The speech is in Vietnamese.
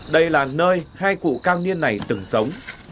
đây là nơi hai cụ cao niên này từng sống